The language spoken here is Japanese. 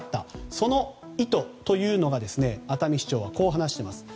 その意図というのを、熱海市長はこう話しています。